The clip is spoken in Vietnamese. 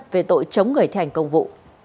về tội chống người thi hành công vụ